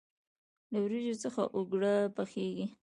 له وریجو څخه اوگره پخیږي.